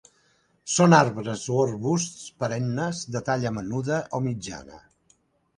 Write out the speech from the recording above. Són arbres o arbusts perennes de talla menuda o mitjana.